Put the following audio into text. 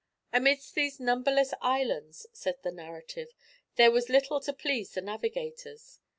"Amidst these numberless islands," says the narrative, "there was little to please the navigators.